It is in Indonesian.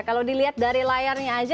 kalau dilihat dari layarnya aja